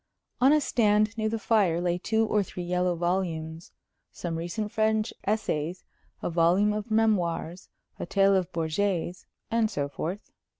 On a stand near the fire lay two or three yellow volumes some recent French essays, a volume of memoirs, a tale of Bourget's, and so forth.